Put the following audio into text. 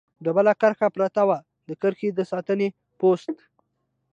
ډبله کرښه پرته وه، د کرښې د ساتنې پوسته.